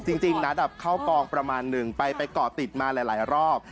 จริงนัดเข้ากองประมาณหนึ่งไปเกาะติดมาหลายรอบ